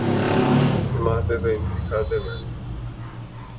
جماعتیں تو ان کی خادم ہیں۔